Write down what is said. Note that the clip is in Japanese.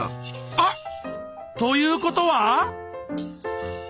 あっ！ということは？